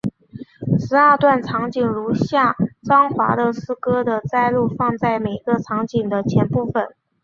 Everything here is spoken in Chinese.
十二段场景如下张华的诗歌的摘录放在每个场景的前部分。